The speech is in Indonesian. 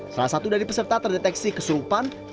salah satu dari peserta terdeteksi kesurupan